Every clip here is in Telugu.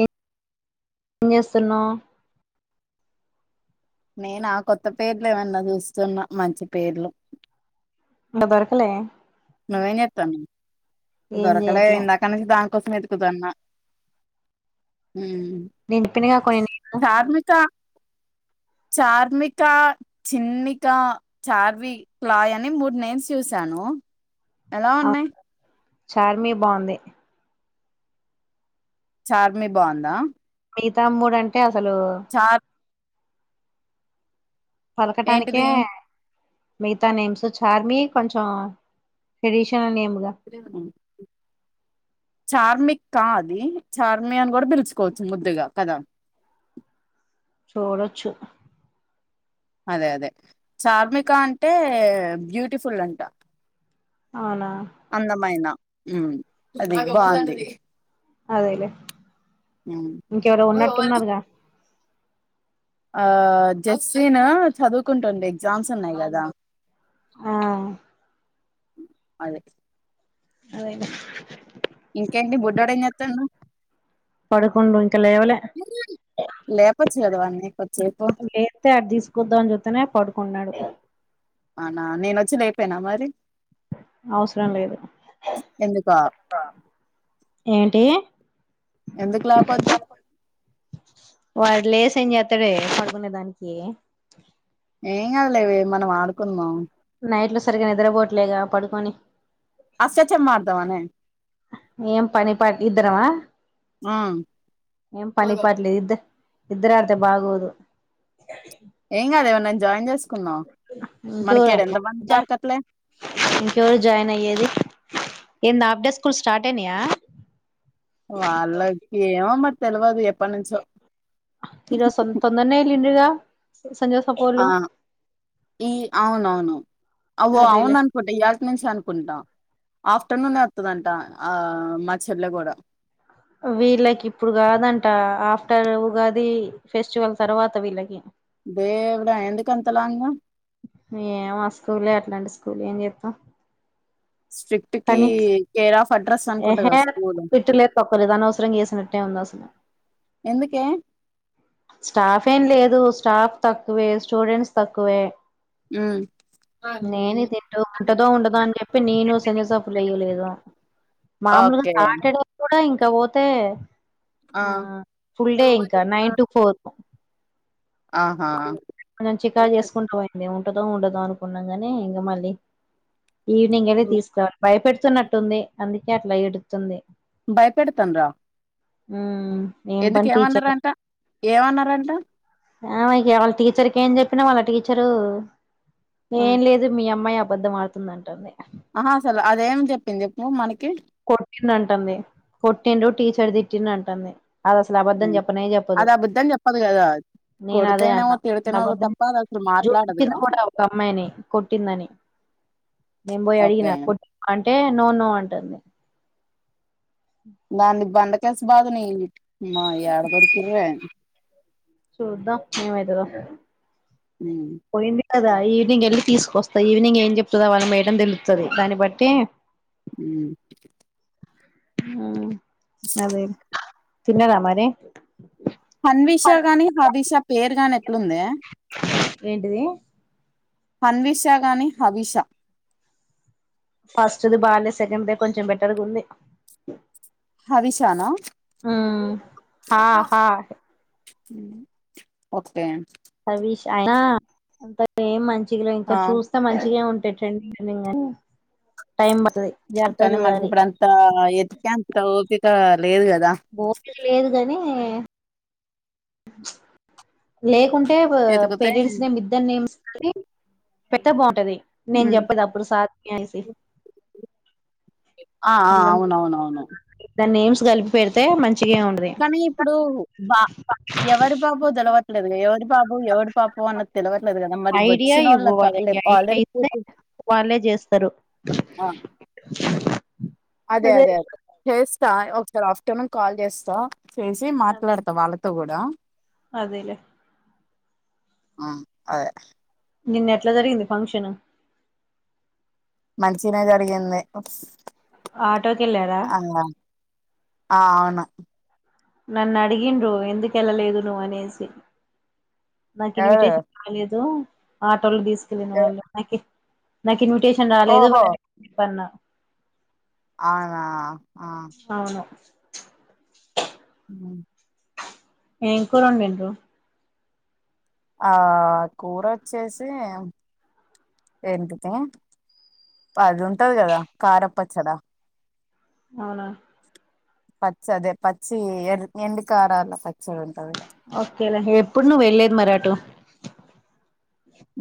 ఎం చేస్తున్నావు. నేను ఆ కొత్త పేర్లు ఏమన్నా చూస్తున్నా మంచి పేర్లు ఇంకా దొరకలే నువు ఏం చేత్తానవ్ ఏం దొరకలే చేయట్లే ఇందాక నుంచి దా కోసమే వేతుకుతన్నా హ్మ్ నేను చెప్పినగా కొన్ని నేను ధార్మిక చార్మికా, చిన్మికా, చార్విలాయ్ అని మూడు నేమ్స్ చూసాను. ఎలా ఉన్నాయి. చార్మీ బాగుంది. చార్మి బాగుందా మిగతా గా మూడు అంటే హలో చార్ పలకటానికే ఏంటిది మిగతా నేమ్స్ చార్మి కొంచెం ట్రెడిషనల్ నేమ్ [unintelligible] చార్మికా అది చార్మి అని కూడా పిలుచుకోవచ్చు. ముద్దుగా కదా పోగొడొచ్చు అదే అదే చార్మిక అంటే బ్యూటిఫుల్ అంట అవునా అందమైన హ్మ్ అది బాగుంది. అదేలే ఉమ్ ఇంకెవరో ఉన్నట్టు ఉన్నారుగా ఆ జస్విన్ చదువుకుంటుంది. ఎగ్జామ్స్ ఉన్నాయి. కదా ఆ అదే అదేదా ఇంకేంటి బుడ్డోడు ఏం చేత్తాడు పడుకుండు ఇంకా లేవలే లేపోచ్చు కదా వాన్ని కొద్దిసేపు లేత్తే అటు తీసుకొద్దామ అని చూస్తున్న పడుకున్నాడు అవునా నేను వచ్చిలేపెయినా మరి అవసరం లేదు ఎందుకా ఏంటి ఎందుకులా ఆపద్దు వాడు లేసి ఏం చేస్తాడే పడుకునే దానికి ఏం కాద్లేవే మనం ఆడుకుందం నైట్ లో సరిగ్గా నిద్రపోవట్లేగా పడుకొని అష్టచమ్మ ఆడదామనే ఏం పనిపాట్ ఇద్దరవా ఆ ఏం పనిపాట్లేదు ఇద్ద ఇద్దరు ఆడితే బాగోదు ఏం కాదు ఎవరినైనా జాయిన్ చేసుకు ఇంకెవరు దొరకట్లే ఇంకెవరు జాయిన్ అయ్యేది ఏంది హాఫ్డే స్కూల్ స్టార్ట్ అయినాయా వాళ్ళకి ఏమో బట్ తెలవదు ఎప్పడినుంచో ఈరోజు తొందరనే వెళ్ళిండ్రుగా సంజయ్ ఆ సపోళ్ళు ఈ అవునవును అవో అవున అదేలే అనుకుంటా ఇయ్యాల్టీ నుంచి అనుకుంటా ఆఫ్టర్నూన్ వత్తదంట ఆ మా చెర్లో కూడా వీళ్ళకి ఇప్పుడు కాదంట ఆఫ్టర్ ఉగాది ఫెస్టివల్ తర్వాత వీళ్ళకి దేవుడా ఎందుకంత లాంగు అలాంటి స్కూల్ ఏం జేస్తాం స్టిక్ట్కి కేర్ ఆఫ్ అడ్ర ఎహే పిత్తు లేదు తొక్క లేదు అనొసరంగా ఏసినట్టే ఉంది వాసనా ఎందుకే స్టాఫ్ ఏం లేదు స్టాఫ్ తక్కువే స్టూడెంట్స్ తక్కువే హ్మ్ నేను తింటూ ఉంటదో ఉండదా అని చెప్పి నేను సజసఫలు వయ్యలేదు మామూలుగా ఓకే సాటర్డే కూడా ఇంకా ఇక పోతే ఆ ఫుల్ డే ఇంకా నైన్ టు ఫోర్ ఆహా మనం చికా చేసుకుంటా పోయింది ఏమో ఉంటదో ఉండదా అనుకున్నాంగానీ ఇంగా మళ్ళీ ఈవినింగ్ అది తీసుకురవాలి భయపెడుతున్నట్టుంది అందుకే అట్లా ఏడుతుంది భయపెడుతుండ్ర ఉమ్ ఎందుకు ఏమన్నార అంట ఏమన్నారంట ఆమెకి వాళ్ళ టీచర్కి ఏం చెప్పినా వాళ్ళ టీచరు ఆ ఏం లేదు మీ అమ్మాయి అప్ అబద్ధం ఆడుతుందంటుంది ఆ అసలు అదేం చెప్పింది చెప్పు మనకి కొట్టింది అంటుంది కొట్టిండు టీ షర్ట్ తిట్టిన అంటుంది అది అసలు అబద్ధం హ్మ్. చెప్పనే చెప్పదు అది అబద్ధం చెప్పదు కదా నేను అదే అన్న కొడితేనేమో అస తిడితేనో అబధం తప్ప అది అసలు చూపించింది మాట్లాడదుగా కూడా ఒక అమ్మాయిని కొట్టిందని నేను పోయి ఓకే అడిగినాట్టి అంటే నో నో అంటుంది వానిది బండ బాగున్నాయ్ మా యాడ దొరికింది చూద్దా ఏం అయితాదో హ కదా ఈవినింగ్ వెళ్ళి తీసుకొస్తా ఈవినింగ్ ఏం చెప్తుందో వాళ్ళ మేయడం తెలుచ్చది దాన్ని బట్టి అ అ అదే తిన్నారా మరి హన్విషా గాని హబీషా పేరు గాని ఎట్లుందే ఏంటిది హన్విషా గాని హబీషా ఫస్ట్ది బాగాలే సెకండ్ దే కొంచెం బెటర్గా ఉంది హవిషానా హాహా ఓకే హవిష్ అయిన అంత ఏం మంచి టి వి ల ఆ ఇంకా చూస్తే మంచిగే ఉ పెట్టండి అనగానే కానీ మనకి ఇప్పుడు అంతా ఎతికే అంత ఓ సారు ఓపిక లేదు ని అ లేక్ లేకుంటే ఎతికితే పేరెంట్స్ నే ఇద్దరు నేమ్ కానీ పెడితే బాగుంటది నేను హ్మ్. చెప్పదు అప్పుడు సాధయా అనేసి ఆ ఆ అట్లా అవును అవునవును దాని నేమ్స్ కలిపి పెడితే మన్ కానీ ఇప్పుడు బా ఎవరు బా పోదలు అవట్లేదుగా ఎవరి పాపం ఎవడి పాపం అన్న తెలివట్లేదు కదా మరి ఐడియా వచ్చిన ఇవ్వు వాళ్ళ వాళ్ళకి ఐడియా ఆల్రెడీ ఇస్తే ప వాళ్ళే చేస్తారు ఆ అదే అదే అదే యెస్ తాయ ఒకసారి ఆఫ్టర్నూన్ కాల్ చేస్ ఆ చేసి మాట్లాడతా వాళ్ళకి గూడ అదేలే ఆ అదే నిన్న ఎట్ల జరిగింది ఫంక్షన్ మంచినే జరిగింది ఆటోకి వెళ్ళారా ఆ ఆ అవును నన్ను అడిగిండ్రు ఎందుకెళ్ళలేదు నువ్వు అనేసి నాకు ఎవరు ఇన్విటేషన్ రాలేదు ఆ ఆటోలు తీసుకెళ్లిన ఎ వాళ్ళకి నాకి ఇన్విటేషన్ రాలేదు ఓహో! [inaudible] ఇస్తన్న ఆనా అవును ఉ ఏం కూర వండిండ్రు ఆ కూర వచ్చేసి ఏంటిది అది ఉంటది కదా కారపచ్చడా అవునా పచ్చ అదే పచ్చి ఎ ఎండుకారల పచ్చి ఓకేలా ఎప్పుడు నువ్వు వెళ్ళేది మరి అట్లా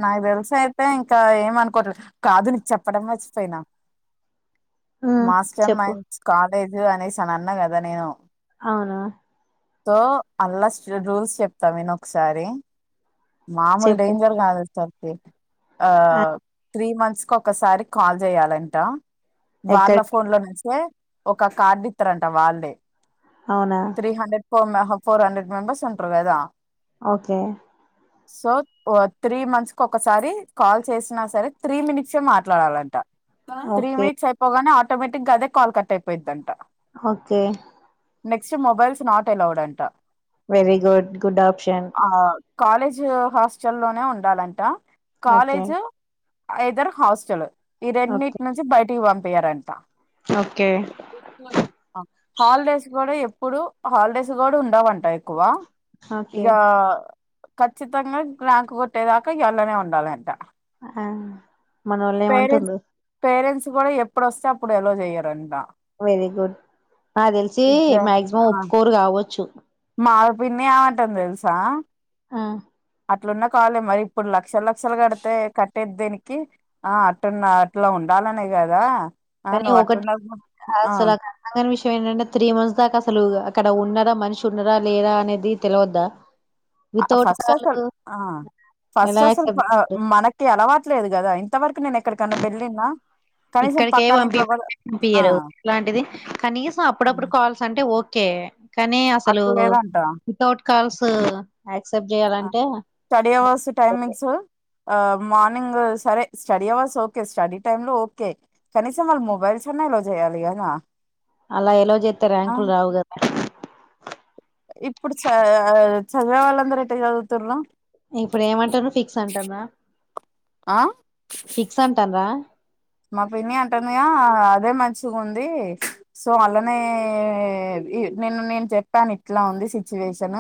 నాకు తెలుసు అయితే ఇంకా ఏమనుకోట్లేదు కాదు నీకు చెప్పడం మర్చిపోయిన ఉమ్ మాస్టర్ చెప్పు మైండ్స్ క లేదు అనేసాను అన్న కదా నేను అవునా సో అల్లాస్ రూల్స్ చెప్తా విను ఒకసారి మాములు చెప్పు డేంజర్ కాదు సతే ఆ త్రీ మంత్స్ కి ఒకసారి కాల్ చేయాలంట వాళ్ళ ఎక్కడికి ఫోన్ లో నచ్చే ఒక కార్డు ఇస్తారంట వాళ్ళే అవునా త్రీ హండ్రెడ్ ప మ ఫోర్ హండ్రెడ్ మెంస్ ఉంటుదా ఓకే సత్ త్రీ మంత్స్ కు ఒకసారి కాల్ చేసినా సరే త్రీ మినిట్స్మాట్లాడాలంట త్రీ ఓకే మినిట్స్ అయిపోగానే ఆటోమటిక్ గా అదే కా క అయిపోయియందంటా okay next mobiles not allowed అంట వెర గుడ్ గుడ్ ఆప్షన్ ఆ కాలేజ్ హాస్టల్ లోనే ఉ ఉండాలంట ఓకే కాలేజు ఇదరు హాస్టల్ ఈ రెండిన్నింటి ఓకే నుంచి బయట ఇవ్వం పేార అంటంత ఓకే హాలిడేస్ కూడా ఇప్పుడు హాలిడేస్ కూడా ఉండవంట ఎక్కువ ఓకే ఇకా ఖచ్చితంగా గు గు పట్టేదాకా ఇయ్యాళ్ళనే ఉండాలంట ఆ మనోళ్లు ఏమంటండ్రు ఎప్పుడు వస్తే అప్పుడు ఎలో చేయరంట వెరీ గుడ్ నాకు తెలిసి ఇక మాక్సిమం ఆ, ఒప్పుకోరు కావచ్చు మా పిన్నే ఏమంటందో తెలుసా ఆ అట్లున్నా కావాలి మరి ఇప్పుడు లక్షల లక్షలు కడితే కట్టేది దేనికి ఆ అట్టున్న అట్లా ఉండాలనే కదా ఆ కానీ నువ్వు ఒకటి అట్టున్న ఆ అసలు క అసలు విషయం ఏంటంటే త్రీ మంత్స్ దాకా అసలు అక్కడ ఉన్నరా మనిషి ఉన్నరా లేరా అనేది తెలివద్దా ఫస్ట్ అసలు ఆ ఫస్ట్ ఎలా అసలు యాక్సెప్ట్ ఆ చేస్తారు మనకి అలవాట్లేదు గదా ఎంతవరకు ఇక్కడికే పక్కన పంపి ఇంట్లో కూడా ఆ పంపియ్యరు ఇలాంటిది కనీసం అప్పుడప్పుడు కాల్స్ అంటే ఓ ఓకే కానీ అసలు అట్లా లేదంట వితౌట్ కాల్స్ యాక్సెప్ట్ ఆ! చేయాలంటే స్టడీ అవర్స్ టైమింగ్స్ ఆ మార్నింగ్ సరే study hours okay study time లో ఓకే కనీసము వాళ్ళు మొబైల్ అన్నా అలో చేయాలిగా అలా ఎలో చేతే ర్యాంకులు రావు కదా ఇప్పుడు స అ చదివేవాళ్లు అందరు ఎట్టా చదువుతారో ఇప్పుడు ఏమంటారు ఫిక్స్ అంటార ఆ ఫిక్స్ అంటారా మా పిన్ని అంటుందిగా అదే మంచిగా ఉంది సో అలానే నిన్న నేను చెప్పాను ఇట్లా ఉంది సిచ్యువేషన్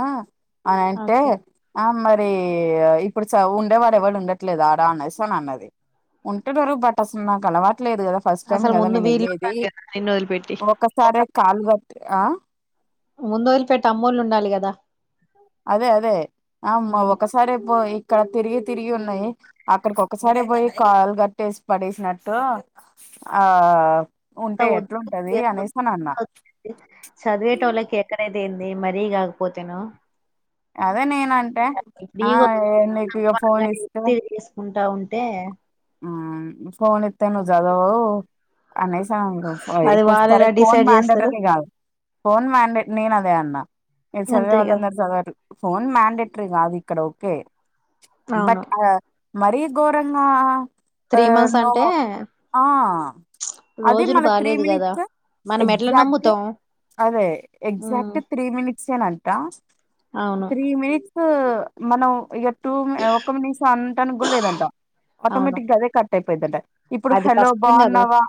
అని అంటే ఓకే. ఆ మరి ఇప్పుడు చ ఉండేవాడు ఎవడు ఉండట్లేదు ఆడా అనేస్తాను అన్నది ఉంటడు బట్ అస మకలవటి లేదు కదా ఫస్ట్ టైం అసలు కదా ముందు నేను వీళ్ళు వెళ్ళేది ఉండాలి కదా! నిన్ను వదిలిపెట్టి. ఒకసారే కాలు కట్టి ఆ ముందు వదిలిపెట్టి అమ్మోళ్లు ఉండాలి కదా అదే అదే ఆ అమ్మ ఒకసారి పో ఇక్కడ తిరిగి తిరిగి ఉన్నాయి అక్కడికి ఒకసారే పోయి కాలు కట్టేసి పడేసినట్టు ఆ ద్ ఉంటే ఎట్లుంటది అనేసి అని అన్నా చదివేటోళ్ళకి ఎక్కడైన ఏంది మరీ కాకపోతేన అదే నేనా అంటే ఆ నీకు ఇక ఫోన్ ఇస్తే అంటా ఉంటే ఆ ఫోన్ ఇస్తే నువ్వు చదవు అనేసాను అది ఇప్పుడు సరే వాళ్ళెలా ఫోన్ డిసైడ్ జేస్తరు. మ్యాండేట్ది కాదు ఫోన్ మ్యాండే నేను అదే అన్నా మీరు అంతే గదా! చదివేవాళ్ళందరూ చదవ ఫోన్ మ్యాండేట్ కా అది ఇక్కడ ఓకే బట్ అవును. ఆ మరీ ఘోరంగా ఆ మంత్స్ నో అంటే అదే రోజులు మన త్రీ బాలేదు గదా! మినిట్స్ మనం ఎట్లా ఎగ్జాక్ట్ నమ్ముతాం? అదే హ్మ్. ఎగ్జాక్ట్ త్రీ మినిట్స్ ఏనంట అవును. త్రీ మినిట్స్ మనం ఎ టూ ఒక్క మనిషం అంటానికి కూడా లేదంట అవును. ఆటోమేటిక్ గా అదే కట్ అయిపోయిదింట ఇప్పుడు అది హలో కష్టం గదా! బాగున్నావా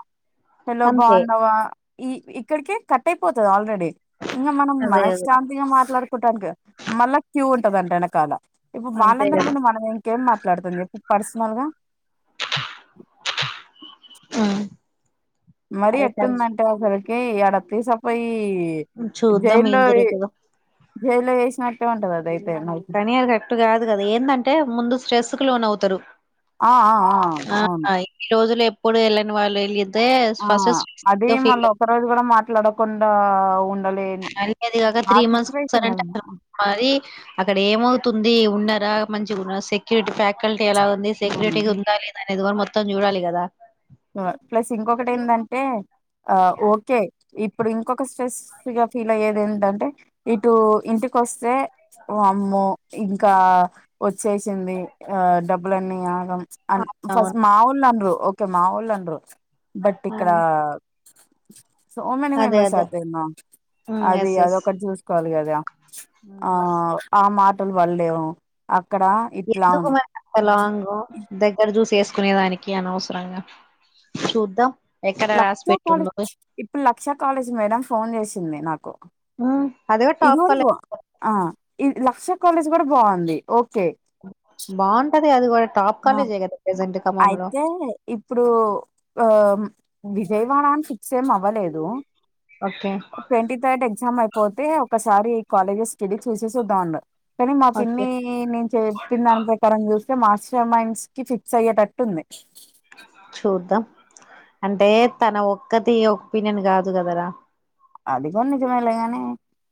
హలో అంతే. బాగున్నావా ఈ ఇక్కడికే కట్ అయిపో పోతుంది ఆల్రెడీ ఇంకా మనం అదే అదే. మనశ్శాంతింగా మాట్లాడుకోవటానికి మళ్ళా క్యూ ఉంటదంట వెనకాల ఇప్పుడు అంతే వాళ్ళందరి గదా! ముందు మనం ఇంకేం మాత్రం మాట్లాడుతను చెప్పి పర్సనల్ గా ఆ మరి ఎట్టుందంటే అసలు ఏ తీసపోయి చూద్దాం జైల్లో ఏం జరుగుతదో జైల్లో వేసినట్టు ఉంటందంతే కనియర్ కరెక్ట్ కాదు కదా ఏంటంటే ముందు స్ట్రెస్ కు లోన అవుతుంది ఆ ఆ ఆ అవును త్తరు ఈ రోజులు ఇప్పుడు యెళ్ళని వాళ్ళ వెళ్ళ ఆ అదే మళ ఒక్క రోజు కూడా మా డకుం అది కాక ఆ త్రీ మంత్స్ సిచ్యువేషన్ వస్తారంటే కదా అ మరి అక్కడ ఏమవుతుంది ది ఉన్నారా మంచిగా ఉన్న సెక్యూరిటీ ఫ్యాకల్టీ ఎలా ఉంది ఉమ్. సెక్యూరిటీగా ఉందా లేదా ఎదివున్ మొత్తం చూడాలి కదా ప్లస్ ఇంకొకటి ఏందంటే ఆ ఓకే ఇప్పుడు ఇంకొక స్ట్రెస్ గా ఫీల్ అయ్యేది ఏందంటే ఇటు ఇంటికోస్సే అమ్మో ఇంకా వచ్చేసింది డబ్బులన్నీ ఆగం అన్ ఫస్ట్ అవును మాఊళ్ళన్రు కేమా వోల్ లండ్రు బట్ ఇక్కడా సో మేని అదే మెంబెర్స్ అదే ఆర్ దేర్ నా ఉమ్ అది ఎస్ ఎస్ అదొక్కటి చూసుకోవాలి కదా ఆ ఎస్ ఆ మాట లు వళ్లేవు ఎందుకు మరంత లాంగు దగ్గర జూస్ వెస్కో కుణేదానికి అనవసరంగా చూద్దం లక్ష కాలేజ్ ఇప్పుడు లక్షా కాలేజ్ మేడం ఫోన్ చేసింది నాకు కొ ఉ అదేగా టాప్ కాలే ఇది లక్ష కాలేజ్ గూడా బాగుంది ఓ బావుంటద్ అధిగోట్ టాప్ ఆ కాలేజిగా కద ప్రజెంట్ అయితే ఇప్పుడు ఆ విజయవాడ అని ఫిక్స్ ఏం అవ్వలేదు ఓకే ట్వంటీ థర్డ్ ఎగ్జామ్ అయిపో పోతే ఒకసారి ఈ కాలేజెస్ స్టెడీ చూసేసి వద్దాం అన్నాడ్ కానీ మా ఓకే పిన్నీ నేను చెప్పిందాన్నీ ప్రకారం చూసి మాస్టర్ మైండ్స్ కి ఫిక్ చెయ్యేటట్టుంది చూద్దాం అంటే తన ఒక్కతి ఒపీనియన్ కాదు కదరా అది దిగుడు నిజమేగానీ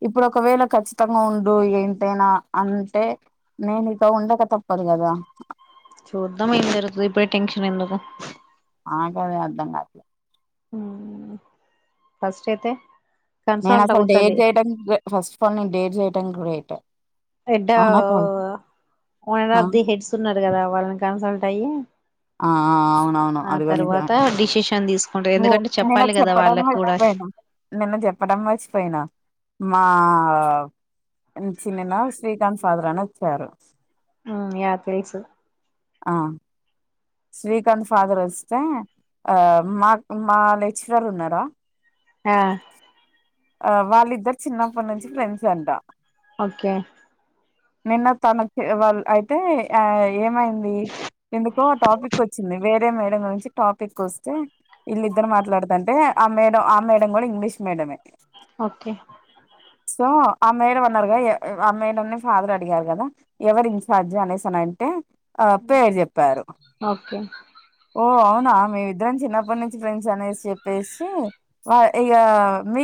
ఇప్పుడు ఒకవేళ ఖచ్చితంగా ఉండు ఏంటైనా అంటే నేను నీతో ఉండక తప్పదు కదా చూద్దాం ఏం జరుగుతదో ఇప్పుడె టెన్షన్ ఎందుకు నాకదే అర్ధం కాలే ఫస్ట్ఐతె నేను అసలు డేర్ చేయడానిక్ ఫస్ట్ ఆఫ్ ఆల్ నేను డేర్ చేయ ఇం కూడిట ఎడ ఓనర్ ఆ! ఆఫ్ ది హెడ్స్ ఉన్నారు కదా వాళ్ళని కన్సల్ట్ అయ్ ఆ అవునవును అదిగూడ నిజమే డిసిషన్ తీసుకుంటారు ఓ ఎందుకంటే నిన్న చెప్పాలి కదా చెప్పడం వాళ్ళకి కూడా మర్చిపోయినా నిన్న చెప్పడం మర్చిపోయినా మా చిన్ననా శ్రీకాంత్ ఫాదర్నచ్చారు ఆ యా తెలుసు ఆ శ్రీకాంత్ ఫాదర్ వస్తే ఆ మాకు మా లెక్చరర్ ఉన్నారా ఆ ఆ వాళ్ళిద్దరు చిన్నప్పటి నుంచి ఫ్రెండ్స్ అంట ఓకే నిన్న తన ఫె వాళ్ళ అయితే ఆ ఏమైంది ఎందుకో ఆ టాపిక్ ఒచ్చింది వేరే మేడం గురించి టాపిక్ వస్తే వీళ్ళిద్దరు మాట్లాడుతంటే ఆ మేడ ఆ మేడం కూడా ఇంగ్లీష్ మేడమే ఓకె సో ఆ మేడం అన్నారు కద ఆ మేడంని ఫాదర్ అడిగారు కదా ఎవరు ఇంఛార్జి అనేసిసన అంటే ఆ పేరు చెప్పారు ఓకే ఓ ఆ మీమిద్దరం చిన్నప్పటి నుంచి ఫ్రెండ్స్ అనేసి చెప్పేసి ఆ ఇగా మీ